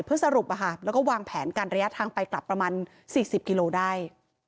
เพื่อสรุปแล้วก็วางแผนการระยะทางไปกลับประมาณ๔๐กิโลได้